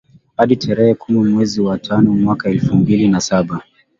hadi tarehe kumi mwezi wa tano mwaka elfu mbili na saba